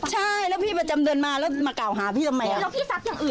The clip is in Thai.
ใช่แล้วพี่ประจำเดินมาแล้วมาเก่าหาพี่ทำไม